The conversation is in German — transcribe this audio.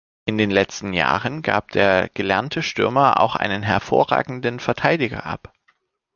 In den letzten Jahren gab der gelernte Stürmer auch einen hervorragenden Verteidiger ab.